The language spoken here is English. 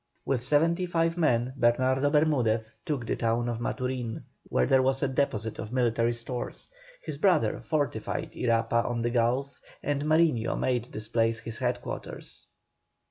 With seventy five men Bernardo Bermudez took the town of Maturin, where there was a deposit of military stores; his brother fortified Irapa on the Gulf, and Mariño made this place his head quarters.